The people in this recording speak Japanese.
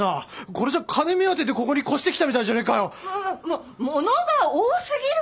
これじゃ金目当てでここに越してきたみたいじゃねえかよ！も物が多すぎるから！